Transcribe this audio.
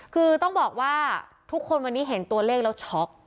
คือต้องบอกว่าทุกคนวันนี้เห็นตัวเลขแล้วช็อก